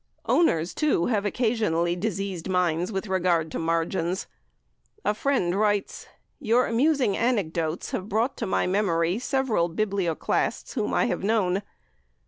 Owners, too, have occasionally diseased minds with regard to margins. A friend writes: "Your amusing anecdotes have brought to my memory several biblioclasts whom I have known.